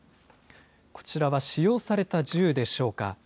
こちらは使用された銃でしょうか。